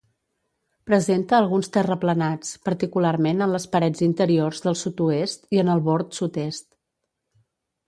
Presenta alguns terraplenats, particularment en les parets interiors del sud-oest, i en el bord sud-est.